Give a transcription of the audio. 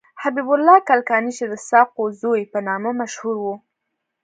حبیب الله کلکانی چې د سقاو زوی په نامه مشهور و.